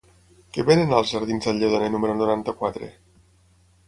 Què venen als jardins del Lledoner número noranta-quatre?